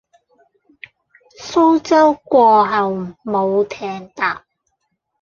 蘇州過後冇艇搭